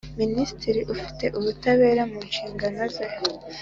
Minisitiri ufite ubutabera mu nshingano ze